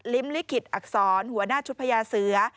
ลิขิตอักษรหัวหน้าชุดพญาเสือ